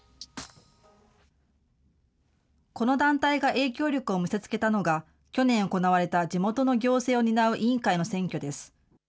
この団体が影響力を見せつけたのが、去年行われた地元の行政を担う委員会の選挙です。